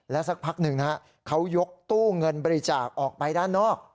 สักพักหนึ่งเขายกตู้เงินบริจาคออกไปด้านนอก